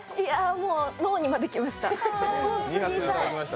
もう脳にまで来ました。